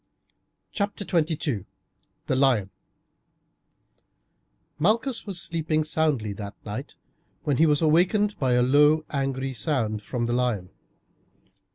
CHAPTER XXII: THE LION Malchus was sleeping soundly that night when he was awakened by a low angry sound from the lion.